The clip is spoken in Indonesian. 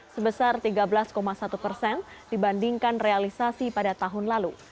sebesar tiga belas satu persen dibandingkan realisasi pada tahun lalu